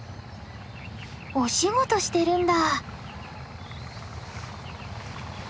お仕事してるんだ。